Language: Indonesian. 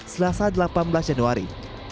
selasa delapan belas januari